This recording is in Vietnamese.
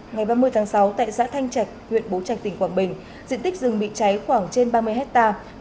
ngày ba mươi tháng sáu tại xã thanh trạch huyện bố trạch tỉnh quảng bình diện tích rừng bị cháy khoảng trên ba mươi hectare